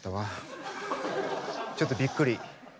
ちょっとびっくり。